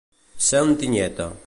Ser un tinyeta.